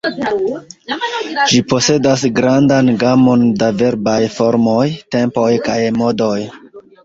Ĝi posedas grandan gamon da verbaj formoj, tempoj kaj modoj.